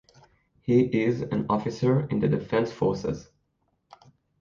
He is an officer in the Defence Forces.